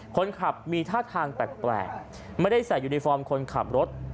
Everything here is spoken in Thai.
คนขับมีท่าทางแปลกไม่ได้ใส่ยูนิฟอร์มคนขับรถ